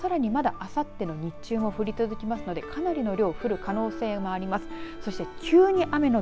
さらにまだあさっての日中も降り続きますのでかなりの量降る可能性もあります。